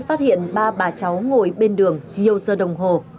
phát hiện ba bà cháu ngồi bên đường nhiều giờ đồng hồ